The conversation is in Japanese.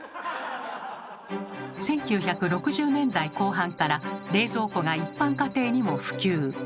１９６０年代後半から冷蔵庫が一般家庭にも普及。